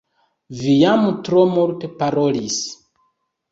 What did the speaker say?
Vi jam tro multe parolis